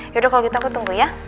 yaudah kalau gitu aku tunggu ya